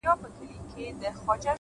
د نورو بریا ستایل سترتوب دی؛